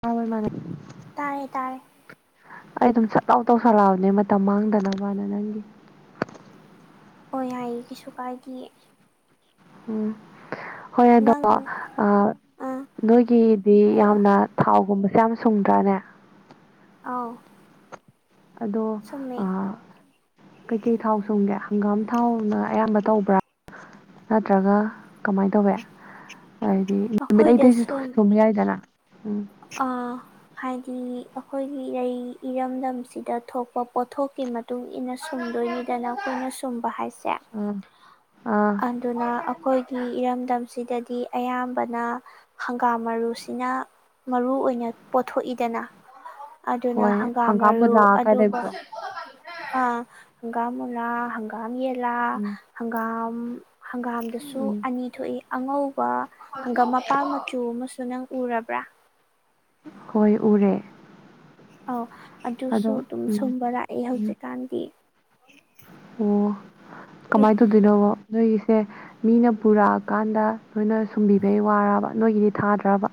ꯇꯥꯕꯔ ꯃꯥꯅꯦ [unintelligible] ꯇꯥꯔꯦ-ꯇꯥꯔꯦ ꯑꯩ ꯑꯗꯨꯝ ꯁꯠꯂꯥꯎ ꯇꯧꯁꯜꯂꯛꯑꯕꯅꯦ ꯃꯇꯝ ꯃꯥꯡꯗꯅꯕꯅ ꯅꯪꯒꯤ ꯑꯣ ꯌꯥꯏꯌꯦ ꯀꯩꯁꯨ ꯀꯥꯏꯒꯗꯤꯌꯦ ꯎꯝ ꯍꯣꯏ ꯑꯗꯣ ꯅꯪ ꯑꯥ ꯅꯣꯏꯒꯤꯗꯤ ꯍꯥꯏꯔꯛꯑꯣ ꯌꯥꯝꯅ ꯊꯥꯎꯒꯨꯝꯕꯁꯦ ꯌꯥꯝ ꯁꯨꯡꯗ꯭ꯔꯥꯅꯦ ꯑꯥꯎ ꯑꯗꯣ ꯆꯨꯝꯃꯦ ꯑ ꯀꯩꯀꯩ ꯊꯥꯎ ꯁꯨꯝꯒꯦ ꯍꯪꯒꯥꯝ ꯊꯥꯎꯅ ꯑꯌꯥꯝꯕ ꯇꯧꯕ꯭ꯔꯥ ꯅꯠꯇ꯭ꯔꯒ ꯀꯃꯥꯏ ꯇꯧꯋꯦ ꯍꯥꯏꯗꯤ ꯅꯨꯃꯤꯠꯂꯩꯗꯩꯁꯨ ꯁꯨꯝ ꯌꯥꯏꯗꯅ ꯎꯝ ꯑꯥ ꯍꯥꯏꯗꯤ ꯑꯩꯈꯣꯏꯒꯤ ꯔꯩ ꯏꯔꯝꯗꯝꯁꯤꯗ ꯊꯣꯛꯄ ꯄꯣꯠꯊꯣꯛꯀꯤ ꯃꯠ ꯃꯇꯨꯡ ꯏꯟꯅ ꯁꯨꯝꯗꯣꯏꯅꯤꯗꯅ ꯑꯩꯈꯣꯏꯅ ꯁꯨꯝꯕ ꯍꯥꯏꯁꯦ ꯑ ꯑ ꯑꯗꯨꯅ ꯑꯩꯈꯣꯏꯒꯤ ꯏꯔꯝꯗꯝꯁꯤꯗꯗꯤ ꯑꯌꯥꯝꯕꯅ ꯍꯪꯒꯥꯝ ꯃꯔꯨꯁꯤꯅ ꯃꯔꯨ ꯑꯣꯏꯅ ꯄꯣꯠꯊꯣꯛꯏꯗꯅ ꯑꯗꯨꯅ ꯍꯣꯏ ꯍꯪꯒꯥꯝ ꯃꯔꯨ ꯃꯨꯂꯥ ꯀꯥꯏ ꯑꯗꯨꯒ ꯂꯩꯕꯗꯣ ꯑꯥ ꯍꯪꯒꯥꯝ ꯎꯂꯥ ꯍꯪꯒꯥꯝ ꯌꯦꯂꯥ ꯎꯝ ꯍꯪꯒꯥꯝ ꯍꯪꯒꯥꯝꯗꯁꯨ ꯎꯝ ꯑꯅꯤ ꯊꯣꯛꯏ ꯑꯉꯧꯕ ꯍꯪꯒ ꯃꯄꯥꯜ ꯃꯆꯨ ꯑꯃꯁꯨ ꯅꯪ ꯎꯔꯕ꯭ꯔꯥ ꯍꯣꯏ ꯎꯔꯦ ꯑꯧ ꯑꯗꯨꯁꯨ ꯑꯗꯣ ꯑꯗꯨꯝ ꯎꯝ ꯁꯨꯝꯕ ꯂꯥꯛꯑꯦ ꯎꯝ ꯍꯧꯖꯤꯛꯀꯥꯟꯗꯤ ꯑꯣ ꯀꯃꯥꯏꯅ ꯇꯧꯗꯣꯏꯅꯣꯕ ꯅꯣꯏꯒꯤꯁꯦ ꯃꯤꯅ ꯄꯨꯔꯛꯑꯀꯥꯟꯗ ꯅꯣꯏꯅ ꯁꯨꯝꯕꯤꯕꯩ ꯋꯥꯔꯕ ꯅꯣꯏꯒꯤꯗꯤ ꯊꯥꯗ꯭ꯔꯕ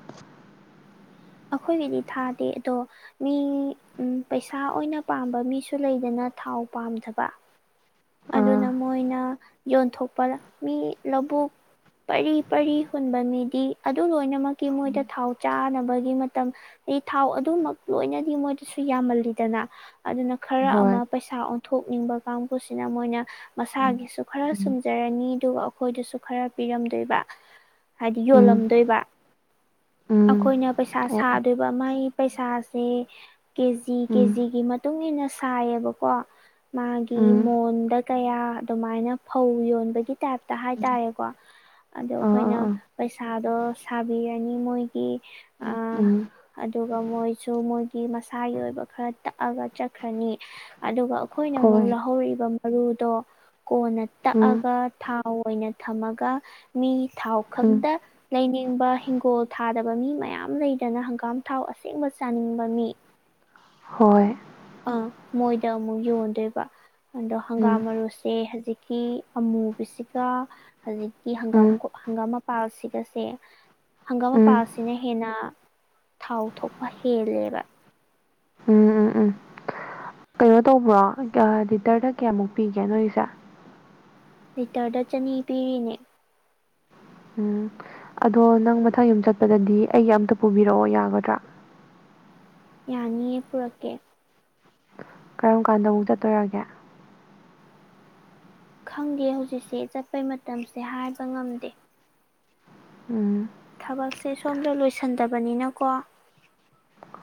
ꯑꯩꯈꯣꯏꯒꯤꯗꯤ ꯊꯥꯗꯦ ꯑꯗꯣ ꯃꯤ ꯎꯝ ꯄꯩꯁꯥ ꯑꯣꯏꯅ ꯄꯥꯝꯕ ꯃꯤꯁꯨ ꯂꯩꯗꯅ ꯊꯥꯎ ꯄꯥꯝꯗꯕꯥ ꯑꯥ ꯑꯗꯨꯅ ꯃꯣꯏꯅ ꯌꯣꯟꯊꯣꯛꯄꯔ ꯃꯤ ꯂꯧꯕꯨꯛ ꯄꯔꯤ ꯄꯔꯤ ꯍꯨꯟꯕ ꯃꯤꯗꯤ ꯑꯗꯨ ꯂꯣꯏꯅꯃꯛ ꯀꯤ ꯎꯝ ꯃꯣꯏꯗ ꯊꯥꯎ ꯆꯥꯅꯕꯒꯤ ꯃꯇꯝ ꯑ ꯊꯥꯎ ꯑꯗꯨꯃꯛ ꯂꯣꯏꯅꯗꯤ ꯃꯣꯏꯗꯁꯨ ꯌꯥꯝꯃꯜꯂꯤꯗꯅ ꯑꯗꯨꯅ ꯈꯔ ꯍꯣꯏ ꯑꯃ ꯄꯩꯁꯥ ꯑꯣꯟꯊꯣꯛꯅꯤꯡꯕ ꯀꯥꯡꯕꯨꯁꯤꯅ ꯃꯣꯏꯅ ꯎꯝ ꯃꯁꯥꯒꯤꯁꯨ ꯈꯔ ꯁꯨꯝꯖ ꯖꯔꯅꯤ ꯑꯗꯨꯒ ꯑꯩꯈꯣꯏꯗꯁꯨ ꯈꯔ ꯄꯤꯔꯝꯗꯣꯏꯕ ꯍꯥꯏꯗꯤ ꯎꯝ ꯌꯣꯜꯂꯝꯗꯣꯏꯕ ꯎꯝ ꯎꯝ ꯑꯩꯈꯣꯏꯅ ꯄꯩꯁꯥ ꯑꯣ ꯑꯣ ꯁꯥꯗꯣꯏꯕ ꯃꯥꯏ ꯄꯩꯁꯥꯁꯦ ꯀꯦꯖꯤ ꯖꯤ ꯎꯝ ꯀꯦꯖꯤꯒꯤ ꯃꯇꯨꯡꯏꯟꯅ ꯁꯥꯏꯌꯦꯕꯀꯣ ꯃꯥꯒꯤ ꯎꯝ ꯃꯣꯟꯗ ꯀꯌꯥ ꯑꯗꯨꯃꯥꯏꯅ ꯐꯧ ꯌꯣꯟꯕꯒꯤ ꯇꯥꯏꯞꯇ ꯇ ꯍꯥꯏꯇꯥꯔꯦꯀꯣ ꯑꯗꯣ ꯑꯥ ꯑꯩꯈꯣꯏꯅ ꯑꯥ ꯑꯥ ꯄꯩꯁꯥꯗꯣ ꯁꯥꯕꯤꯔꯅꯤ ꯃꯣꯏ ꯏ ꯎꯝ ꯎꯝ ꯑꯗꯨꯒ ꯃꯣꯏꯁꯨ ꯃꯣꯏꯒꯤ ꯃꯁꯥꯒꯤ ꯑꯣꯏꯕ ꯈꯔ ꯇꯛꯑꯒ ꯆꯠꯈ꯭ꯔꯅꯤ ꯑꯗꯨꯒ ꯑꯩꯈꯣꯏꯅ ꯑꯃꯨꯛ ꯍꯣꯏ ꯂꯧꯍꯧꯔꯤꯕ ꯃꯔꯨꯗꯣ ꯀꯣꯟꯅ ꯎꯝ ꯇꯛꯑꯒ ꯊꯥ ꯊꯥꯎ ꯑꯣꯏꯅ ꯊꯝꯃꯒ ꯃꯤ ꯊꯥꯎ ꯎꯝ ꯈꯛꯇ ꯂꯩꯅꯤꯡꯕ ꯍꯤꯡꯒꯣꯜ ꯊꯥꯗꯕ ꯃꯤ ꯃꯌꯥꯝ ꯂꯩꯗꯅ ꯍꯪꯒꯥꯝ ꯊꯥꯎ ꯑꯁꯦꯡꯕ ꯆꯥꯅꯤꯡꯕ ꯃꯤ ꯍꯣꯏ ꯑꯥ ꯃꯣꯏꯗ ꯑꯃꯨꯛ ꯌꯣꯟꯗꯣꯏꯕ ꯑꯗꯣ ꯎꯝ ꯍꯪꯒꯥꯝ ꯃꯔꯨꯁꯦ ꯍꯖꯤꯛ ꯀꯤ ꯑꯃꯨꯕꯤꯁꯤꯒ ꯍꯧꯖꯤꯛꯀꯤ ꯍꯪꯒꯥꯝ ꯎꯝ ꯀꯣ ꯍꯪꯒꯥꯝ ꯃꯄꯥꯜꯁꯤꯒꯁꯦ ꯍꯪꯒꯥꯝ ꯎꯝ ꯃꯄꯥꯜꯁꯤ ꯁꯤꯅ ꯍꯦꯟꯅ ꯊꯥꯎ ꯊꯣꯛꯄ ꯍꯦꯜꯂꯦꯕ ꯎꯝ ꯎꯝ ꯎꯝ ꯀꯩꯅꯣ ꯇꯧꯕ꯭ꯔꯣ ꯂꯤꯇꯔꯗ ꯀꯌꯥꯃꯨꯛ ꯄꯤꯒꯦ ꯅꯣꯏꯁꯦ ꯂꯤꯇꯔꯗ ꯆꯅꯤ ꯄꯤꯔꯤꯅꯦ ꯎꯝ ꯑꯗꯣ ꯅꯪ ꯃꯊꯪ ꯌꯨꯝ ꯆꯠꯄꯗꯗꯤ ꯑꯩꯒꯤ ꯑꯝꯇ ꯄꯨꯕꯤꯔꯛꯑꯣ ꯌꯥꯒꯗ꯭ꯔꯥ ꯌꯥꯅꯤꯌꯦ ꯄꯨꯔꯛꯀꯦ ꯀꯔꯝ ꯀꯥꯟꯗ ꯑꯃꯨꯛ ꯆꯠꯇꯣꯏꯔꯒꯦ ꯈꯪꯗꯦ ꯍꯧꯖꯤꯛꯁꯦ ꯆꯠꯄꯩ ꯃꯇꯝꯁꯦ ꯍꯥꯏꯕ ꯉꯝꯗꯦ ꯎꯝ ꯊꯕꯛꯁꯦ ꯁꯣꯝꯗ ꯂꯣꯏꯁꯤꯟꯗꯕꯅꯤꯅꯀꯣ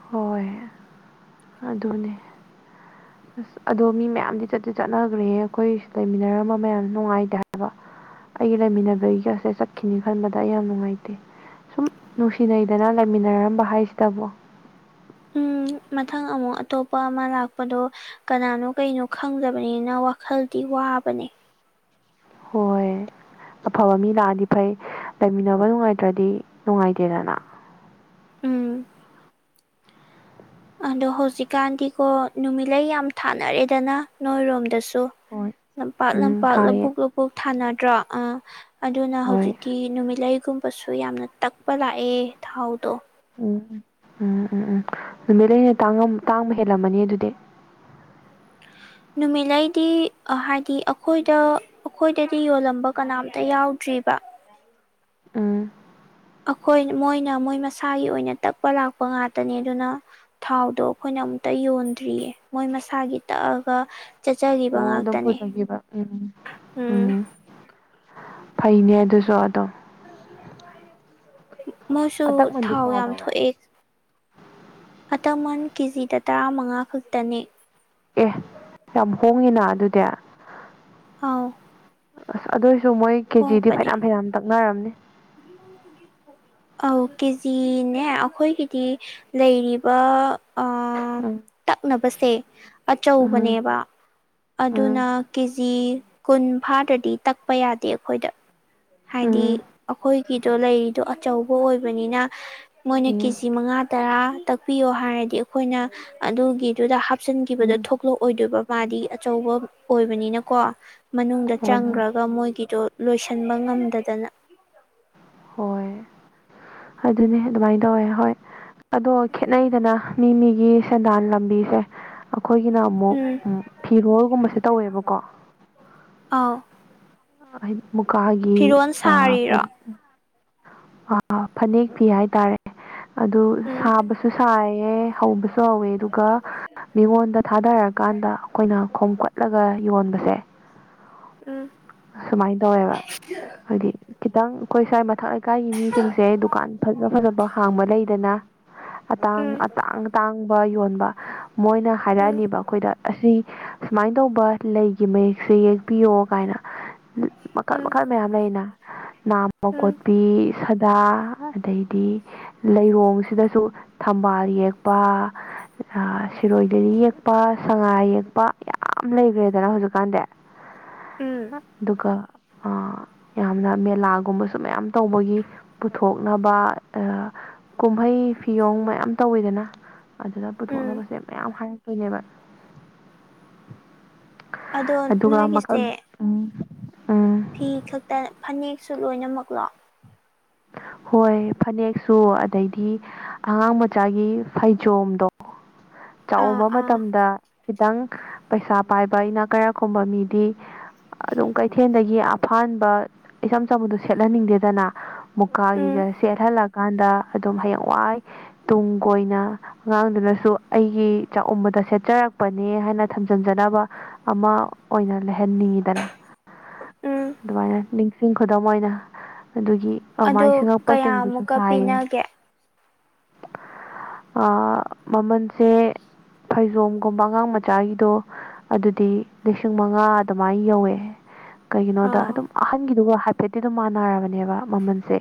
ꯍꯣꯏ ꯑꯗꯨꯅꯦ ꯑꯁ ꯑꯗꯣ ꯃꯤ ꯃꯌꯥꯝꯗꯤ ꯆꯠꯇꯤ ꯆꯠꯅꯒ꯭ꯔꯦ ꯑꯩꯈꯣꯏ ꯂꯩꯃꯤꯟꯅꯔꯝꯕ ꯃꯌꯥꯝ ꯅꯨꯡꯉꯥꯏꯇꯦ ꯍꯥꯏꯕ ꯑꯩꯒ ꯂꯩꯃꯤꯟꯅꯕꯒꯤꯒꯁꯦ ꯆꯠꯈꯤꯅꯤ ꯈꯟꯕꯗ ꯑꯩ ꯌꯥꯝ ꯅꯨꯡꯉꯥꯏꯇꯦ ꯁꯨꯝ ꯅꯨꯡꯁꯤꯅꯩꯗꯅ ꯂꯩꯃꯤꯟꯅꯔꯝꯕ ꯍꯥꯏꯁꯤꯗꯕꯨ ꯎꯝ ꯃꯊꯪ ꯑꯃꯨꯛ ꯑꯇꯣꯞꯄ ꯑꯃ ꯂꯥꯛꯄꯗꯣ ꯀꯅꯥꯅꯣ ꯀꯩꯅꯣ ꯈꯪꯗꯕꯅꯤꯅ ꯋꯥꯈꯜꯗꯤ ꯋꯥꯕꯅꯦ ꯍꯣꯏ ꯑꯐꯕ ꯃꯤ ꯂꯥꯛꯑꯗꯤ ꯐꯩ ꯂꯩꯃꯤꯟꯅꯕ ꯅꯨꯡꯉꯥꯏꯇ꯭ꯔꯗꯤ ꯅꯨꯡꯉꯥꯏꯇꯦꯗꯅ ꯎꯝ ꯑꯗꯣ ꯍꯧꯖꯤꯛꯀꯥꯟꯗꯤꯀꯣ ꯅꯨꯃꯤꯠꯂꯩ ꯌꯥꯝ ꯊꯥꯅꯔꯦꯗꯅ ꯅꯣꯏꯔꯣꯝꯗꯁꯨ ꯍꯣꯏ ꯂꯝ ꯄꯥꯛ ꯂꯝ ꯎꯝ ꯄꯥꯛ ꯊꯥꯏꯌꯦ ꯂꯕꯨꯛ ꯂ [unintelligible] ꯕꯨꯛ ꯊꯥꯅꯗ꯭ꯔꯣ ꯑ ꯑꯗꯨꯅ ꯍꯣꯏ ꯍꯧꯖꯤꯛꯇꯤ ꯅꯨꯃꯤꯠꯂꯩꯒꯨꯝ ꯀꯄꯁꯨ ꯌꯥꯝꯅ ꯇꯛꯄ ꯂꯥꯛꯑꯦ ꯊꯥꯎꯗꯣ ꯎꯝ ꯎꯝ ꯎꯝ ꯎꯝ ꯅꯨꯃꯤꯠꯂꯩꯅ ꯇꯥꯡꯕ ꯍꯦꯜꯂꯝꯃꯅꯤ ꯑꯗꯨꯗꯤ ꯅꯨꯃꯤꯠꯂꯩꯗꯤ ꯍꯥꯏꯗꯤ ꯑꯩꯈꯣꯏꯗ ꯑꯩꯈꯣꯏꯗꯗꯤ ꯌꯣꯜꯂꯝꯕ ꯀꯅꯥꯝꯇ ꯌꯥꯎꯗ꯭ꯔꯤꯕ ꯎꯝ ꯑꯩꯈꯣꯏ ꯃꯣꯏꯅ ꯃꯣꯏ ꯃꯁꯥꯒꯤ ꯑꯣꯏꯅ ꯇꯛꯄ ꯂꯥꯛꯄ ꯉꯥꯛꯇꯅꯦ ꯑꯗꯨꯅ ꯊꯥꯎꯗꯣ ꯑꯩꯈꯣꯏꯅ ꯑꯃꯨꯛꯇ ꯌꯣꯟꯗ꯭ꯔꯤꯌꯦ ꯃꯣꯏ ꯃꯁꯥꯒꯤ ꯇꯛꯑꯒ ꯆꯠꯆꯈꯤꯕ ꯑꯣ ꯑꯗꯨꯝ ꯉꯥꯛꯇꯅꯦ ꯄꯨꯖꯒꯤꯕ ꯎꯝ ꯎꯝ ꯐꯩꯅꯦ ꯑꯗꯨꯁꯨ ꯑꯗꯨꯝ ꯃꯁꯨ ꯑꯇꯛꯃꯟꯗꯤ ꯊꯥꯎ ꯀꯌꯥ ꯌꯥꯝ ꯂꯧꯔꯦ ꯊꯣꯛꯑꯦ ꯑꯇꯛꯃꯟ ꯀꯦꯖꯤꯗ ꯇꯔꯥꯃꯉꯥ ꯈꯛꯇꯅꯦ ꯑꯦ ꯌꯥꯝ ꯍꯣꯡꯉꯤꯅ ꯑꯗꯨꯗꯤ ꯑꯥꯎ ꯑꯁ ꯑꯗꯣꯏꯁꯨ ꯃꯣꯏ ꯀꯦꯖꯤꯗꯤ ꯍꯣꯡꯕꯅꯦ ꯐꯩꯅꯥꯝ ꯐꯩꯅꯥꯝ ꯇꯛꯅꯔꯝꯅꯤ [inaudible] ꯑꯧ ꯀꯦꯖꯤꯅꯦ ꯑꯈꯣꯏꯒꯤꯗꯤ ꯂꯩꯔꯤꯕ ꯑꯥ ꯎꯝ ꯇꯛꯅꯕꯁꯦ ꯎꯝ ꯑꯆꯧꯕꯅꯦꯕ ꯎꯝ ꯑꯗꯨꯅ ꯀꯦꯖꯤ ꯀꯨꯟ ꯐꯥꯗ꯭ꯔꯗꯤ ꯇꯛꯄ ꯌꯥꯗꯦ ꯑꯈꯣꯏꯗ ꯍꯥꯏꯗꯤ ꯎꯝ ꯑꯈꯣꯏꯒꯤꯗꯣ ꯂꯩꯔꯤꯗꯣ ꯑꯆꯧꯕ ꯑꯣꯏꯕꯅꯤꯅ ꯃꯣꯏꯅ ꯎꯝ ꯀꯦꯖꯤ ꯃꯉꯥ ꯇꯔꯥ ꯇꯛꯄꯤꯌꯣ ꯍꯥꯏꯔꯗꯤ ꯑꯩꯈꯣꯏꯅ ꯑꯗꯨꯒꯤꯗꯨꯗ ꯍꯥꯞꯆꯤꯟꯒꯤꯕꯗ ꯎꯝ ꯊꯣꯛꯂꯛꯑꯣꯏꯗꯣꯏꯕ ꯃꯥꯗꯤ ꯑꯆꯧꯕ ꯑꯣꯏꯕꯅꯤꯅꯀꯣ ꯃꯅꯨꯡꯗ ꯍꯣꯏ ꯍꯣꯏ ꯆꯪꯈ꯭ꯔꯒ ꯃꯣꯏꯒꯤꯗꯣ ꯂꯣꯏꯁꯤꯟꯕ ꯉꯝꯗꯗꯅ ꯍꯣꯏ ꯑꯗꯨꯅꯤ ꯑꯗꯨꯃꯥꯏꯅ ꯇꯧꯋꯦ ꯍꯣꯏ ꯑꯗꯣ ꯈꯦꯠꯅꯩꯗꯅ ꯃꯤ ꯃꯤꯒꯤ ꯁꯦꯟꯗꯥꯟ ꯂꯝꯕꯤꯁꯦ ꯑꯩꯈꯣꯏꯒꯤꯅ ꯑꯃꯨꯛ ꯎꯝ ꯎ ꯐꯤꯔꯣꯜꯒꯨꯝꯕꯁꯦ ꯇꯧꯋꯦꯕꯀꯣ ꯑꯥꯎ ꯍꯥꯏꯗꯤ ꯃꯨꯀꯥꯒꯤ ꯐꯤꯔꯣꯜ ꯑ ꯁꯥꯔꯤꯔꯣ ꯐꯅꯦꯛ ꯐꯤ ꯍꯥꯏꯇꯥꯔꯦ ꯑꯗꯨ ꯁꯥꯕꯁꯨ ꯁꯥꯏꯌꯦ ꯍꯧꯕꯁꯨ ꯍꯧꯋꯦ ꯑꯗꯨꯒ ꯃꯤꯉꯣꯟꯗ ꯊꯥꯗꯔꯀꯥꯟꯗ ꯑꯩꯈꯣꯏꯅ ꯈꯣꯝꯀꯠꯂꯒ ꯌꯣꯟꯕꯁꯦ ꯎꯝ ꯁꯨꯃꯥꯏꯅ ꯇꯧꯋꯦꯕ ꯍꯥꯏꯗꯤ ꯈꯤꯇꯪ ꯑꯩꯈꯣꯏ ꯁ꯭ꯋꯥꯏ ꯃꯊꯛ ꯂꯩꯀꯥꯏꯒꯤ ꯃꯤꯁꯤꯡꯁꯦ ꯗꯨꯀꯥꯟ ꯐꯖ ꯐꯖꯕ ꯍꯥꯡꯕ ꯂꯩꯗꯅ ꯑꯇꯥꯡ ꯑꯇꯥꯡꯇꯥꯡꯕ ꯌꯣꯟꯕ ꯃꯣꯏꯅ ꯍꯥꯏꯔꯛꯑꯅꯤꯕ ꯑꯩꯈꯣꯏꯗ ꯑꯁꯤ ꯁꯨꯃꯥꯏꯅ ꯇꯧꯕ ꯂꯩꯒꯤ ꯃꯌꯦꯛꯁꯦ ꯌꯦꯛꯄꯤꯌꯣ ꯀꯥꯏꯅ ꯃꯈꯜ ꯃꯈꯜ ꯑꯗꯣ ꯃꯌꯥꯝ ꯂꯩꯅ ꯅꯥꯕ ꯀꯣꯠꯄꯤ ꯁꯥꯗꯥ ꯑꯗꯩꯗꯤ ꯂꯩꯔꯣꯡꯁꯤꯗꯁꯨ ꯊꯝꯕꯥꯜ ꯌꯦꯛꯄ ꯁꯤꯔꯣꯏ ꯂꯤꯂꯤ ꯌꯦꯛꯄ ꯁꯉꯥꯏ ꯌꯦꯛꯄ ꯌꯥꯝ ꯂꯩꯒ꯭ꯔꯦꯗꯅ ꯍꯧꯖꯤꯛꯀꯥꯟꯗꯤ ꯎꯝ ꯑꯗꯨꯒ ꯑꯥ ꯌꯥꯝꯅ ꯃꯦꯂꯥꯒꯨꯝꯕꯁꯨ ꯃꯌꯥꯝ ꯇꯧꯕꯒꯤ ꯄꯨꯊꯣꯛꯅꯕ ꯀꯨꯝꯍꯩ ꯐꯤꯌꯣꯡ ꯃꯌꯥꯝ ꯇꯧꯋꯤꯗꯅ ꯑꯗꯨꯗ ꯄꯨꯊꯣꯛꯅꯕꯁꯦ ꯃꯌꯥꯝ ꯍꯥꯏꯔꯛꯇꯣꯏꯅꯦꯕ ꯑꯗꯨꯒ ꯃꯈꯜ ꯅꯣꯏꯒꯤꯁꯦ ꯎꯝ ꯎꯝ ꯐꯤ ꯈꯛꯇ ꯐꯅꯦꯛꯁꯨ ꯂꯣꯏꯅꯃꯛꯂꯣ ꯍꯣꯏ ꯐꯅꯦꯛꯁꯨ ꯑꯗꯩꯗꯤ ꯑꯉꯥꯡ ꯃꯆꯥꯒꯤ ꯐꯩꯖꯣꯝꯗꯣ ꯑꯥ ꯆꯥꯛꯎꯝꯕ ꯑꯥ ꯃꯇꯝꯗ ꯈꯤꯇꯪ ꯄꯩꯁꯥ ꯄꯥꯏꯕ ꯏꯅꯥꯛ ꯀꯩꯔꯥꯛ ꯈꯨꯟꯕ ꯒꯤꯗꯤ ꯑꯗꯨꯝ ꯀꯩꯊꯦꯜꯗꯒꯤ ꯑꯐꯥꯟꯕ ꯏꯆꯝ ꯆꯝꯕꯗ ꯁꯦꯠꯍꯟꯅꯤꯡꯗꯦꯗꯅ ꯎꯝ ꯃꯨꯀꯥꯒꯤꯒ ꯁꯦꯠꯍꯜꯂꯛꯀꯥꯟꯗ ꯑꯗꯨꯝ ꯍꯌꯦꯡ ꯋꯥꯏ ꯇꯨꯡ ꯀꯣꯏꯅ ꯑꯉꯥꯡꯗꯨꯅꯁꯨ ꯑꯩꯒꯤ ꯆꯥꯛꯕꯗ ꯁꯦꯠꯆꯔꯛꯄꯅꯦ ꯍꯥꯏꯅ ꯊꯝꯖꯤꯟꯖꯅꯕ ꯑꯃ ꯑꯣꯏꯅ ꯂꯩꯍꯟꯅꯤꯡꯉꯤꯗꯅ ꯎꯝ ꯑꯗꯨꯃꯥꯏꯅ ꯅꯤꯡꯁꯤꯡ ꯈꯨꯗꯝ ꯑꯣꯏꯅ ꯑꯗꯨꯒꯤ ꯑꯗꯨꯃꯥꯏ ꯑꯗꯣ ꯁꯤꯡꯉꯛꯄꯁꯤꯡꯗꯨꯁꯨ ꯀꯌꯥꯃꯨꯛꯀ ꯁꯥꯏꯌꯦ ꯄꯤꯅꯒꯦ ꯑꯥ ꯃꯃꯟꯁꯦ ꯐꯩꯖꯣꯝꯒꯨꯝꯕ ꯑꯉꯥꯡ ꯃꯆꯥꯒꯤꯗꯣ ꯑꯗꯨꯗꯤ ꯂꯤꯁꯤꯡ ꯃꯉꯥ ꯑꯗꯨꯃꯥꯏꯅ ꯌꯧꯋꯦ ꯀꯩꯒꯤꯅꯣꯗ ꯑꯥ ꯗꯨꯝ ꯑꯍꯟꯒꯤꯗꯨꯒ ꯍꯥꯏꯐꯦꯠꯇꯤ ꯑꯗꯨꯝ ꯃꯥꯟꯅꯔꯕꯅꯦꯕ ꯃꯃꯟꯁꯦ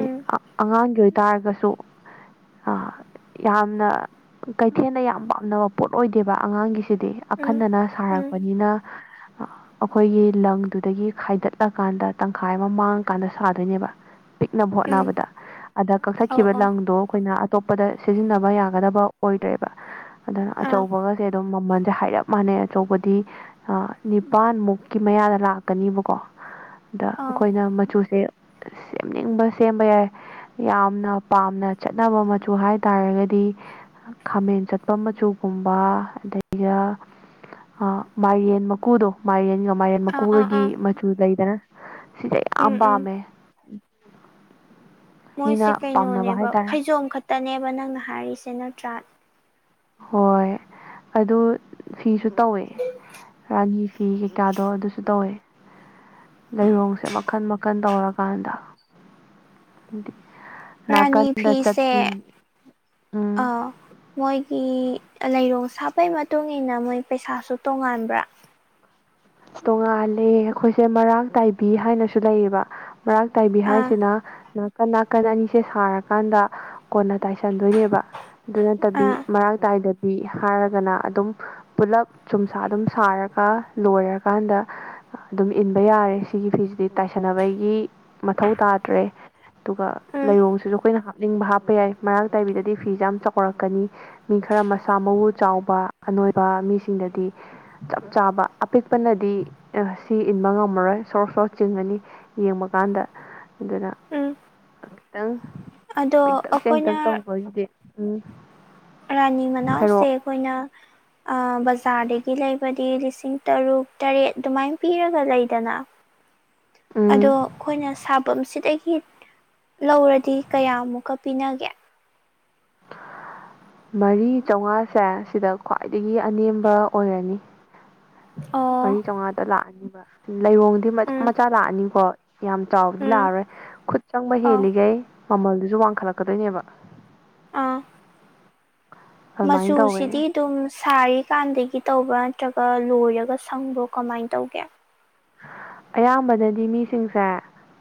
ꯎꯝ ꯑꯉꯥꯡꯒꯤ ꯑꯣꯏꯇꯥꯔꯒꯁꯨ ꯌꯥꯝꯅ ꯀꯩꯊꯦꯜꯗ ꯌꯥꯝ ꯄꯥꯝꯅꯕ ꯄꯣꯠ ꯑꯣꯏꯗꯦꯕ ꯑꯉꯥꯡꯒꯤꯁꯤꯗꯤ ꯎꯝ ꯑꯈꯟꯅꯅ ꯎꯝ ꯁꯥꯔꯛꯄꯅꯤꯅ ꯑ [inaudible] ꯑꯩꯈꯣꯏꯒꯤ ꯂꯪꯗꯨꯗꯒꯤ ꯈꯥꯏꯗꯠꯂꯀꯥꯟꯗ ꯇꯪꯈꯥꯏ ꯑꯃ ꯃꯥꯡꯉꯀꯥꯟꯗ ꯁꯥꯗꯣꯏꯅꯦꯕ ꯄꯤꯛꯅꯕ ꯎꯝ ꯍꯣꯠꯅꯕꯗ ꯑꯗ ꯑꯧ ꯀꯛꯊꯠꯈꯤꯕ ꯑꯧ ꯂꯪꯗꯣ ꯑꯩꯈꯣꯏꯅ ꯑꯇꯣꯞꯄꯗ ꯁꯤꯖꯤꯟꯅꯕ ꯌꯥꯒꯗꯕ ꯑꯣꯏꯗ꯭ꯔꯦꯕ ꯑꯗꯨꯅ ꯑꯥ ꯑꯆꯧꯕꯒꯁꯦ ꯑꯗꯨꯝ ꯃꯃꯜꯁꯦ ꯍꯥꯏꯔꯞ ꯃꯥꯟꯅꯩ ꯑꯆꯧꯕꯗꯤ ꯑ ꯅꯤꯄꯥꯥꯟꯃꯨꯛꯀꯤ ꯃꯌꯥꯗ ꯂꯥꯛꯀꯅꯤꯕꯀꯣ ꯑꯗ ꯑꯧ ꯑꯩꯈꯣꯏꯅ ꯃꯆꯨꯁꯦ ꯁꯦꯝꯅꯤꯡꯕ ꯁꯦꯝꯕ ꯌꯥꯏ ꯌꯥꯝꯅ ꯄꯥꯝꯅ ꯆꯠꯅꯕ ꯃꯆꯨ ꯍꯥꯏꯇꯥꯥꯔꯒꯗꯤ ꯈꯥꯃꯦꯟ ꯆꯠꯄ ꯃꯆꯨꯒꯨꯝꯕ ꯑꯗꯒꯤ ꯃꯥꯏꯔꯦꯟ ꯃꯀꯨꯗꯣ ꯃꯥꯏꯔꯦꯟꯒ ꯃꯥꯏꯔꯦꯟ ꯑꯥ ꯑꯥ ꯃꯀꯨꯒꯒꯤ ꯑꯥ ꯁꯨ ꯂꯩꯗꯅ ꯁꯤꯁꯦ ꯌꯥꯝ ꯎꯝ ꯎꯝ ꯄꯥꯝꯅꯩ ꯃꯣꯏꯁꯦ ꯄꯥꯝꯅꯕ ꯀꯩꯅꯣꯅꯦꯕ ꯍꯥꯏꯇꯥꯔꯦ ꯐꯩꯖꯣꯝ ꯈꯛꯇꯅꯦꯕ ꯅꯪꯅ ꯍꯥꯏꯔꯤꯁꯦ ꯅꯠꯇ꯭ꯔꯥ ꯍꯣꯏ ꯑꯗꯨ ꯐꯤꯁꯨ ꯇꯧꯋꯦ ꯔꯥꯅꯤ ꯐꯤ ꯀꯩꯀꯥꯗꯣ ꯑꯗꯨꯁꯨ ꯇꯧꯋꯦ ꯂꯩꯔꯣꯡꯁꯦ ꯃꯈꯟ ꯃꯈꯟ ꯇꯧꯔꯀꯥꯟꯗ ꯍꯥꯏꯗꯤ ꯔꯥꯅꯤ ꯐꯤꯁꯦ ꯎꯝ ꯑꯥ ꯃꯣꯏꯒꯤ ꯂꯩꯔꯣꯡ ꯁꯥꯠꯄꯩꯒꯤ ꯃꯇꯨꯡꯏꯟꯅ ꯃꯣꯏ ꯄꯩꯁꯥꯁꯨ ꯇꯣꯡꯉꯥꯟꯕ꯭ꯔꯥ ꯇꯣꯉꯥꯜꯂꯦ ꯑꯩꯈꯣꯏꯁꯦ ꯃꯔꯥꯛ ꯇꯥꯏꯕꯤ ꯍꯥꯏꯅꯁꯨ ꯂꯩꯌꯦꯕ ꯃꯔꯥꯛ ꯇꯥꯏꯕꯤ ꯑꯥ ꯍꯥꯏꯁꯤꯅ ꯅꯥꯀꯟ ꯅꯥꯀꯟ ꯑꯅꯤꯁꯦ ꯁꯥꯔꯀꯥꯟꯗ ꯀꯣꯟꯅ ꯇꯥꯏꯁꯟꯗꯣꯏꯅꯦꯕ ꯑꯗꯨ ꯅꯠꯇꯕꯤ ꯑꯥ ꯃꯔꯥꯛ ꯇꯥꯏꯗꯕꯤ ꯕꯤ ꯍꯥꯏꯔꯒꯅ ꯑꯗꯨꯝ ꯄꯨꯂꯞ ꯆꯨꯝꯁꯥ ꯑꯗꯨꯝ ꯁꯥꯔꯒ ꯂꯣꯏꯔꯦ ꯀꯥꯟꯗ ꯑꯗꯨꯝ ꯏꯟꯕ ꯌꯥꯔꯦ ꯁꯤꯒꯤ ꯐꯤꯁꯤꯗꯤ ꯇꯥꯏꯁꯟꯅꯕꯒꯤ ꯃꯊꯧ ꯇꯥꯗ꯭ꯔꯦ ꯑꯗꯨꯒ ꯎꯝ ꯂꯩꯔꯣꯡꯁꯤꯁꯨ ꯑꯩꯈꯣꯏꯅ ꯍꯥꯞꯅꯤꯡꯕ ꯍꯥꯞꯄ ꯌꯥꯏ ꯃꯔꯥꯡ ꯇꯥꯏꯕꯤꯗꯗꯤ ꯐꯤꯁꯦ ꯌꯥꯝ ꯆꯥꯎꯔꯛꯀꯅꯤ ꯃꯤ ꯈꯔ ꯃꯁꯥ ꯃꯎ ꯆꯥꯎꯕ ꯑꯅꯣꯏꯕ ꯃꯤꯁꯤꯡꯗꯗꯤ ꯆꯞ ꯆꯥꯕ ꯑꯄꯤꯛ ꯑꯄꯤꯛꯅꯗꯤ ꯑ ꯁꯤ ꯏꯟꯕ ꯉꯝꯃꯔꯣꯏ ꯁꯣꯔꯠ ꯁꯣꯔꯠ ꯆꯤꯡꯉꯅꯤ ꯌꯦꯡꯕ ꯀꯥꯟꯗ ꯑꯗꯨꯅ ꯎꯝ ꯈꯤꯇꯪ ꯑꯗꯣ ꯄꯤꯛꯇꯛ ꯆꯦꯡꯇꯛ ꯑꯩꯈꯣꯏꯅ ꯇꯧꯕꯒꯤꯗꯤ ꯎꯝ ꯔꯥꯅꯤ ꯃꯅꯥꯎꯁꯦ ꯍꯥꯏꯔꯛꯑꯣ ꯑꯩꯈꯣꯏꯅ ꯑ ꯕꯖꯥꯔꯗꯒꯤ ꯂꯩꯕꯗꯤ ꯂꯤꯁꯤꯡ ꯇꯔꯨꯛ ꯇꯔꯦꯠ ꯑꯗꯨꯃꯥꯏꯅ ꯄꯤꯔꯒ ꯂꯩꯗꯅ [inaudible] ꯑꯗꯣ ꯎꯝ ꯑꯩꯈꯣꯏꯅ ꯁꯥꯚꯝꯁꯤꯗꯒꯤ ꯂꯧꯔꯗꯤ ꯀꯌꯥꯃꯨꯛꯀ ꯄꯤꯅꯒꯦ ꯃꯔꯤ ꯆꯧꯉꯥꯁꯦ ꯁꯤꯗ ꯈ꯭ꯋꯥꯏꯗꯒꯤ ꯑꯅꯦꯝꯕ ꯑꯣꯏꯔꯅꯤ ꯑꯣ ꯃꯔꯤ ꯆꯧꯉꯥꯗ ꯂꯥꯛꯑꯅꯤꯕ ꯂꯩꯥꯏꯔꯣꯡꯗꯤ ꯃꯆꯥ ꯎꯝ ꯃꯆꯥ ꯂꯥꯛꯑꯅꯤꯀꯣ ꯌꯥꯝ ꯆꯥꯎꯕꯗꯤ ꯎꯝ ꯂꯥꯛꯑꯔꯣꯏ ꯈꯨꯠ ꯆꯪꯕ ꯑꯧ ꯍꯦꯜꯂꯤꯒꯩ ꯃꯃꯜꯗꯨꯁꯨ ꯋꯥꯡꯈꯠꯂꯛꯀꯗꯣꯏꯅꯦꯕ ꯑꯥ ꯑꯗꯨꯃꯥꯏꯅ ꯇꯧꯋꯦ ꯃꯆꯨꯁꯤꯗꯤ ꯑꯗꯨꯝ ꯁꯥꯔꯤꯀꯥꯟꯗꯒꯤ ꯇꯧꯕ꯭ꯔꯥ ꯅꯠꯇ꯭ꯔꯒ ꯂꯣꯏꯔꯒ ꯁꯪꯕ꯭ꯔꯣ ꯀꯃꯥꯏꯟ ꯇꯧꯒꯦ ꯑꯌꯥꯝꯕꯅꯗꯤ ꯃꯤꯁꯤꯡꯁꯦ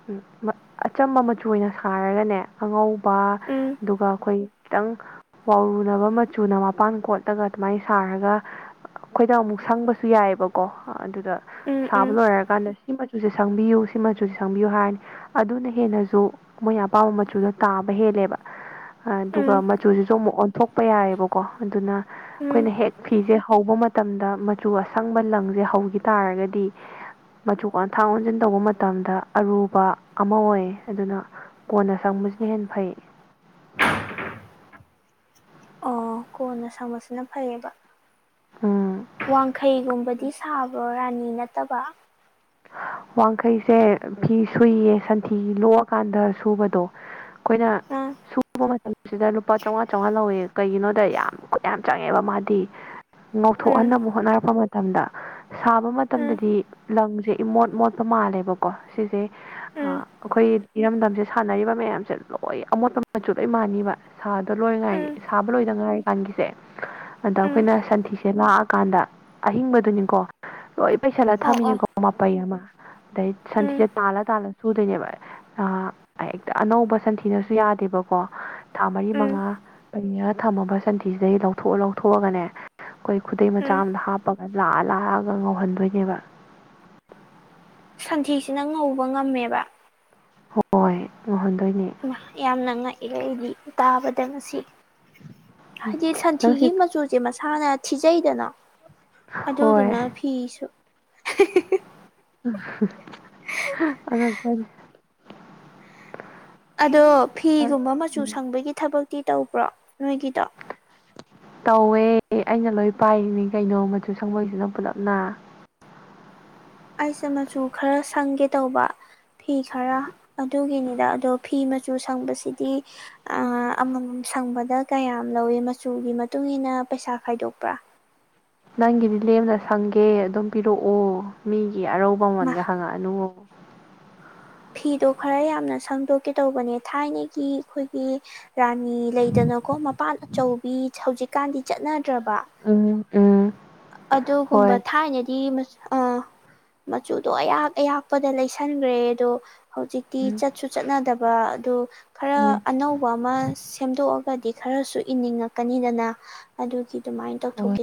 ꯎꯝ ꯃ ꯑꯆꯝꯕ ꯃꯆꯨ ꯑꯣꯏꯅ ꯁꯥꯔꯒꯅꯦ ꯑꯉꯧꯕ ꯎꯝ ꯑꯗꯨꯒ ꯑꯩꯈꯣꯏ ꯈꯤꯇꯪ ꯋꯥꯔꯨꯅꯕ ꯃꯆꯨꯅ ꯃꯄꯥꯟ ꯀꯣꯠꯂꯒ ꯑꯗꯨꯃꯥꯏ ꯁꯥꯔꯒ ꯑꯩꯈꯣꯏꯗ ꯑꯃꯨꯛ ꯁꯪꯕꯁꯨ ꯌꯥꯏꯑꯦꯕꯀꯣ ꯑꯗꯨꯗ ꯎꯝ ꯁꯥꯕ ꯎꯝ ꯂꯣꯏꯔꯀꯥꯟꯗ ꯁꯤ ꯃꯆꯨꯁꯦ ꯁꯪꯕꯤꯌꯨ ꯁꯤ ꯃꯆꯨꯁꯦ ꯁꯪꯕꯤꯌꯨ ꯍꯥꯏꯔꯅꯤ ꯑꯗꯨꯅ ꯍꯦꯟꯅꯖꯨ ꯃꯣꯏ ꯑꯄꯥꯝꯕ ꯃꯆꯨꯗꯣ ꯇꯥꯕ ꯍꯦꯜꯂꯦꯕ ꯑꯗꯨꯒ ꯎꯝ ꯃꯆꯨꯁꯤꯁꯨ ꯑꯃꯨꯛ ꯑꯣꯟꯊꯣꯛꯄ ꯌꯥꯏꯑꯦꯕꯀꯣ ꯑꯗꯨꯅ ꯎꯝ ꯑꯩꯈꯣꯏꯅ ꯍꯦꯛ ꯐꯤꯁꯦ ꯍꯧꯕ ꯃꯇꯝꯗ ꯃꯆꯨ ꯑꯁꯪꯕ ꯂꯪꯁꯦ ꯍꯧꯒꯤ ꯇꯥꯔꯒꯗꯤ ꯃꯆꯨ ꯑꯣꯟꯊꯥꯡ ꯑꯣꯟꯖꯤꯟ ꯇꯧꯕ ꯃꯇꯝꯗ ꯑꯔꯨꯕ ꯑꯃ ꯑꯣꯏ ꯑꯗꯨꯅ ꯀꯣꯟꯅ ꯁꯪꯕꯁꯤꯅ ꯍꯦꯟꯅ ꯐꯩ ꯑꯣ ꯀꯣꯟꯅ ꯁꯪꯕꯁꯤꯅ ꯐꯩꯌꯦꯕ ꯎꯝ ꯋꯥꯡꯈꯩꯒꯨꯝꯕꯗꯤ ꯁꯥꯕ꯭ꯔꯣ ꯔꯥꯅꯤ ꯅꯠꯇꯕ ꯋꯥꯡꯈꯩꯁꯦ ꯐꯤ ꯁꯨꯏꯌꯦ ꯁꯟꯊꯤ ꯂꯣꯛꯑꯀꯥꯟꯗ ꯁꯨꯕꯗꯣ ꯑꯩꯈꯣꯏꯅ ꯎꯝ ꯁꯨꯕ ꯃꯇꯝꯁꯤꯗ ꯂꯨꯄꯥ ꯆꯧꯉꯥ ꯆꯧꯉꯥ ꯂꯧꯋꯦ ꯀꯩꯒꯤꯅꯣꯗ ꯌꯥꯝ ꯈꯨꯠ ꯌꯥꯝ ꯆꯪꯉꯦꯕ ꯃꯥꯗꯤ ꯎꯝ ꯉꯧꯊꯣꯛꯍꯟꯅꯕ ꯍꯣꯠꯅꯔꯛꯄ ꯃꯇꯝꯗ ꯁꯥꯕ ꯎꯝ ꯃꯇꯝꯗꯗꯤ ꯂꯪꯖꯦ ꯏꯃꯣꯠ ꯃꯣꯠꯄ ꯃꯥꯜꯂꯦꯕꯀꯣ ꯁꯤꯖꯦ ꯑ ꯎꯝ ꯑꯩꯈꯣꯏ ꯏꯔꯝꯗꯝꯁꯦ ꯁꯥꯟꯅꯔꯤꯕ ꯃꯌꯥꯝꯁꯦ ꯂꯣꯏ ꯑꯃꯣꯠꯄ ꯃꯆꯨ ꯂꯣꯏ ꯃꯥꯟꯅꯤꯕ ꯇꯣ ꯂꯣꯏ ꯉꯥꯏ ꯎꯝ ꯁꯥꯕ ꯂꯣꯏꯗ ꯉꯥꯏꯔꯤ ꯥꯄꯟꯒꯤꯁꯦ ꯑꯗ ꯎꯝ ꯑꯩꯈꯣꯏꯅ ꯁꯟꯊꯤꯁꯦ ꯂꯥꯛꯑꯀꯥꯟꯗ ꯑꯍꯤꯡꯕꯗꯨꯅꯤꯀꯣ ꯂꯣꯏ ꯄꯩꯁꯜꯂꯥ ꯑꯣ ꯊꯥꯃꯤꯅꯤ ꯑꯣ ꯀꯣ ꯃꯄꯥꯩ ꯑꯃ ꯑꯗꯩ ꯎꯝ ꯁꯟꯊꯤꯁꯦ ꯇꯥꯜꯂ ꯇꯥꯜꯂ ꯁꯨꯗꯣꯏꯅꯦꯕ ꯑ ꯑꯍꯦꯛꯇ ꯑꯅꯧꯕ ꯁꯟꯊꯤꯅꯁꯨ ꯌꯥꯗꯦꯕꯀꯣ ꯊꯥ ꯃꯔꯤ ꯎꯝ ꯃꯉꯥ ꯄꯩꯔꯒ ꯊꯝꯃꯕ ꯁꯟꯊꯤꯁꯤꯗꯩ ꯂꯧꯊꯣꯛꯑ ꯂꯧꯊꯣꯛꯑꯒꯅꯦ ꯑꯩꯈꯣꯏ ꯈꯨꯗꯩ ꯃꯆꯥ ꯎꯝ ꯑꯃꯗ ꯍꯥꯞꯄꯒ ꯂꯥꯛꯑ ꯂꯥꯛꯑꯒ ꯉꯧꯍꯟꯗꯣꯏꯅꯦꯕ ꯁꯟꯊꯤꯁꯤꯅ ꯉꯧꯕ ꯉꯝꯃꯦꯕ ꯍꯣꯏ ꯉꯧꯍꯟꯗꯣꯏꯅꯦ ꯏꯃꯥ ꯌꯥꯝꯅ ꯉꯛꯏꯗ ꯑꯩꯗꯤ ꯇꯥꯕꯗ ꯉꯁꯤ ꯎꯝ ꯍꯥꯏꯗꯤ ꯅꯪꯁꯤ ꯁꯟꯊꯤꯒꯤ ꯃꯆꯨꯁꯦ ꯃꯁꯥꯅ ꯊꯤꯖꯩꯗꯅ ꯍꯣꯏ ꯑꯗꯨꯗꯨꯅ ꯐꯤꯁꯨ [unintelligible] ꯑꯗꯣ ꯐꯤꯒꯨꯝꯕ ꯃꯆꯨ ꯎꯝ ꯁꯪꯕꯒꯤ ꯊꯕꯛꯇꯤ ꯇꯧꯕ꯭ꯔꯣ ꯅꯣꯏꯒꯤꯗꯣ ꯇꯧꯋꯦ ꯑꯩꯅ ꯂꯣꯏ ꯄꯥꯏꯔꯤꯅꯤ ꯀꯩꯅꯣ ꯃꯆꯨ ꯁꯪꯕꯣꯏꯁꯤꯅ ꯄꯨꯜꯂꯞꯅ ꯑꯩꯁꯦ ꯃꯆꯨ ꯈꯔ ꯁꯪꯒꯦ ꯇꯧꯕ ꯐꯤ ꯈꯔ ꯑꯗꯨꯒꯤꯅꯤꯗ ꯑꯗꯣ ꯐꯤ ꯃꯆꯨ ꯁꯪꯕꯁꯤꯗꯤ ꯑꯃꯃꯝ ꯁꯪꯕꯗ ꯀꯌꯥꯝ ꯂꯧꯋꯦ ꯃꯆꯨꯒꯤ ꯃꯇꯨꯡ ꯏꯟꯅ ꯄꯩꯁꯥ ꯈꯥꯏꯗꯣꯛꯄ꯭ꯔꯥ ꯅꯪꯒꯤꯗꯤ ꯂꯦꯝꯅ ꯁꯪꯒꯦ ꯑꯗꯨꯝ ꯄꯤꯔꯛꯑꯣ ꯃꯤꯒꯤ ꯑꯔꯧꯕ ꯃꯥ ꯃꯃꯜꯒ ꯍꯪꯉꯛꯑꯅꯨ ꯐꯤꯗꯣ ꯈꯔ ꯌꯥꯝꯅ ꯁꯪꯗꯣꯛꯀꯦ ꯇꯧꯕꯅꯦ ꯊꯥꯏꯅꯒꯤ ꯑꯩꯈꯣꯏꯒꯤ ꯔꯥꯅꯤ ꯂꯩꯗꯅꯀꯣ ꯃꯄꯥꯟ ꯑꯆꯧꯕꯤ ꯍꯧꯖꯤꯛꯀꯥꯟꯗꯤ ꯆꯠꯅꯗ꯭ꯔꯕ ꯎꯝ ꯎꯝ ꯑꯗꯨꯒꯨꯝꯕ ꯍꯣꯏ ꯊꯥꯏꯅꯗꯤ ꯑꯥ ꯃꯆꯨꯗꯣ ꯑꯌꯥꯛ ꯑꯌꯥꯛꯄꯗ ꯂꯩꯁꯟꯈ꯭ꯔꯦ ꯑꯗꯣ ꯍꯧꯖꯤꯛꯇꯤ ꯎꯝ ꯆꯠ ꯁꯨ ꯆꯠꯅꯗꯕ ꯑꯗꯨ ꯈꯔ ꯎꯝ ꯑꯅꯧꯕ ꯑꯃ ꯁꯦꯝꯗꯣꯛꯑꯒꯗꯤ ꯈꯔꯁꯨ ꯏꯅꯤꯡꯉꯛꯀꯅꯤꯗꯅ ꯑꯗꯨꯒꯤ ꯑꯗꯨꯃꯥꯏꯅ ꯍꯣꯏ ꯇꯧꯊꯣꯛꯀꯦ